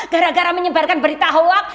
gara gara menyebarkan berita hoak